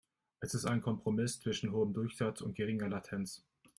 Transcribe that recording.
Es ist ein Kompromiss zwischen hohem Durchsatz und geringer Latenz.